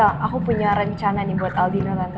tante aku punya rencana nih buat aldino tante